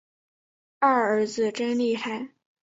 二儿子真厉害